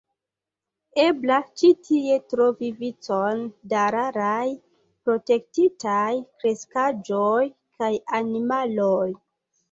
Ebla ĉi tie trovi vicon da raraj protektitaj kreskaĵoj kaj animaloj.